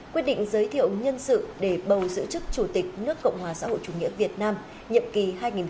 quyết định giới thiệu nhân sự để bầu giữ chức chủ tịch nước cộng hòa xã hội chủ nghĩa việt nam nhiệm kỳ hai nghìn hai mươi một hai nghìn hai mươi sáu